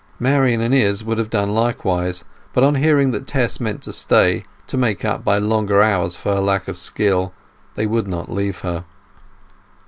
Marian and Izz would have done likewise, but on hearing that Tess meant to stay, to make up by longer hours for her lack of skill, they would not leave her.